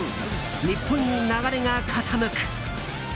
日本に流れが傾く。